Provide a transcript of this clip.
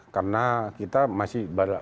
karena kita masih baru